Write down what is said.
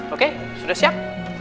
oke sudah siap